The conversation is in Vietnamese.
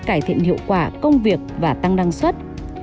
cải thiện hiệu quả công việc và tăng năng suất